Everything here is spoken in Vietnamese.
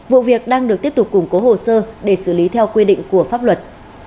vụ việc đang được tiếp tục củng cố hồ sơ để xử lý theo quy định của pháp luật